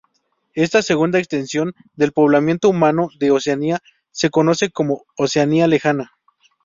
Esta segunda extensión del poblamiento humano de Oceanía se conoce como Oceanía Lejana.